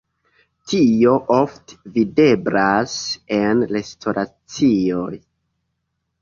Tio ofte videblas en restoracioj.